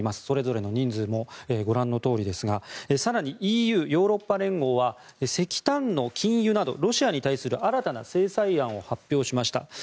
それぞれの人数もご覧のとおりですが更にＥＵ・ヨーロッパ連合は石炭の禁輸などロシアに対する新たな制裁案を発表しました。